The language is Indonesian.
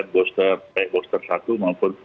booster satu maupun